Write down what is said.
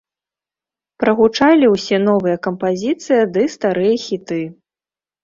Прагучалі ўсе новыя кампазіцыя ды старыя хіты.